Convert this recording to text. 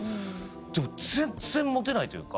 でも全然モテないというか。